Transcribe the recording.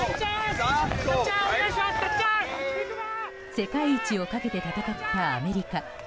世界一をかけて戦ったアメリカ。